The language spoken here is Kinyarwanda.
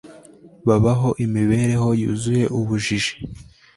Babaho imibereho yuzuye ubujiji